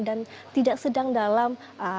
dan tidak sedang dalam